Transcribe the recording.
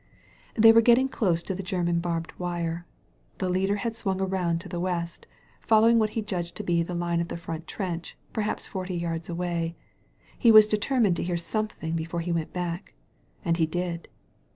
They were getting close to the Grerman barbed wire. The leader had swung around to the west» following what he judged to be the line of the front trench, perhaps forty yards away. He was de termined to hear something before he went back. And he did